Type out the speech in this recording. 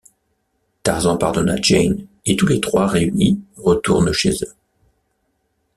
Tarzan pardonne à Jane, et tous les trois réunis retournent chez eux.